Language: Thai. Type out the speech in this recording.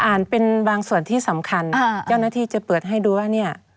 เป็นบางส่วนที่สำคัญเจ้าหน้าที่จะเปิดให้ดูว่าเนี่ย